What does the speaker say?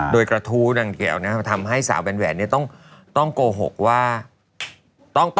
โดยกระทูนั่งเดียวทำให้สาวแหวนเนี่ยต้องโกหกว่าต้องโกรธน่ะ